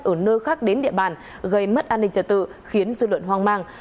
ở nơi khác đến địa bàn gây mất an ninh trật tự khiến dư luận hoang mang